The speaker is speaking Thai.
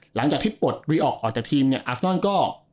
หลังจากที่ปลดรีออกออกจากทีมเนี่ยอาฟนอนก็